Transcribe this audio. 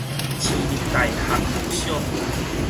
市立大學附小